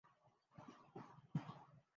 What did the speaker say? ہم نہ شاعر نہ انقلابی۔